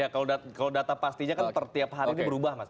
kalau data pastinya kan per tiap hari ini berubah mas